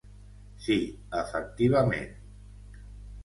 Sí, efectivament.